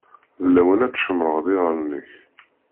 D lawan ad tcemmṛeḍ iɣallen-ik.